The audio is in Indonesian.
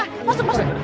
masuk masuk masukin